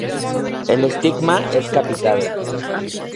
El estigma es capitado.